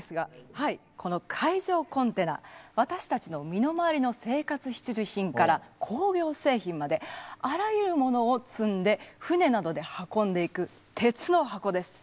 はいこの海上コンテナ私たちの身の回りの生活必需品から工業製品まであらゆるものを積んで船などで運んでいく鉄の箱です。